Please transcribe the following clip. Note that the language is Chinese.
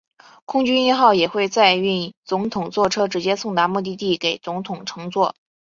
空军一号也会载运总统座车直接送达目的地给总统乘坐。